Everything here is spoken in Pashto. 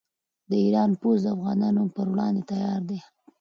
د ایران پوځ د افغانانو پر وړاندې تیار دی.